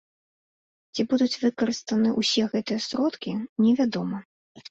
Ці будуць выкарыстаны ўсе гэтыя сродкі, невядома.